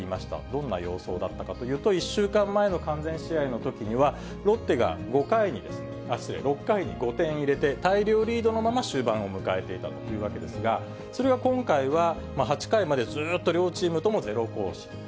どんな様相だったかというと、１週間前の完全試合のときには、ロッテが５回にですね、失礼、６回に５点入れて、大量リードのまま終盤を迎えていたというわけですが、それが今回は８回までずっと両チームともゼロ。